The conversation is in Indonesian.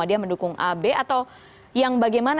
apakah bentuknya secara firm bahwa kemudian dalam hal ini